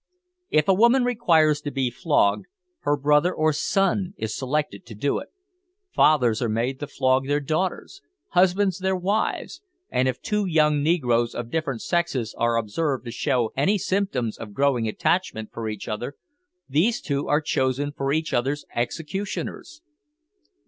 If a woman requires to be flogged, her brother or son is selected to do it. Fathers are made to flog their daughters, husbands their wives, and, if two young negroes of different sexes are observed to show any symptoms of growing attachment for each other, these two are chosen for each other's executioners.